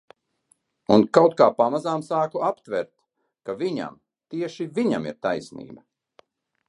Un kaut kā pamazām sāku aptvert, ka viņam, tieši viņam ir taisnība.